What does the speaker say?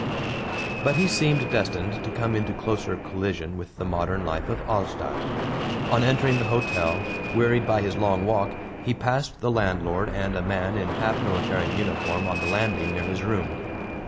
But he seemed destined to come into closer collision with the modern life of Alstadt. On entering the hotel, wearied by his long walk, he passed the landlord and a man in half military uniform on the landing near his room.